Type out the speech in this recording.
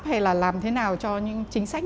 hay là làm thế nào cho những chính sách